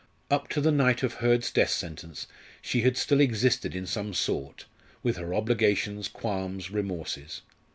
Up to the night of Hurd's death sentence she had still existed in some sort, with her obligations, qualms, remorses.